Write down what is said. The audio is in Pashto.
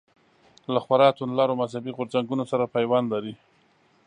له خورا توندلارو مذهبي غورځنګونو سره پیوند لري.